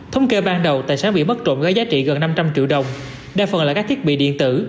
thống kê ban đầu tài sản bị mất trộn với giá trị gần năm trăm linh triệu đồng đa phần là các thiết bị điện tử